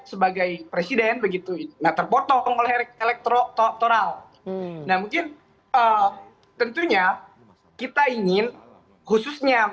sebagai presiden begitu terpotong oleh elektroktural mungkin tentunya kita ingin khususnya